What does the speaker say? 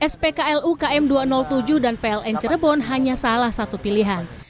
spklu km dua ratus tujuh dan pln cirebon hanya salah satu pilihan